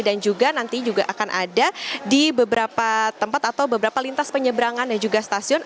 dan juga nanti juga akan ada di beberapa tempat atau beberapa lintas penyebrangan dan juga stasiun